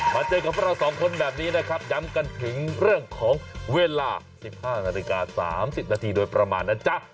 เจอกับพวกเราสองคนแบบนี้นะครับย้ำกันถึงเรื่องของเวลา๑๕นาฬิกา๓๐นาทีโดยประมาณนะจ๊ะ